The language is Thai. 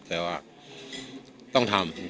แต่ว่า